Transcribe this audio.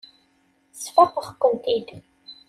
Sfaqeɣ-kent-id.